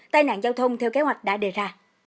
tai nạn giao thông theo kế hoạch đã đề ra